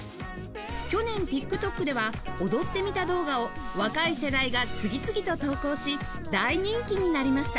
去年 ＴｉｋＴｏｋ では「踊ってみた動画」を若い世代が次々と投稿し大人気になりました